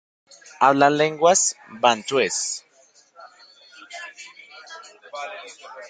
Hablan lenguas bantúes.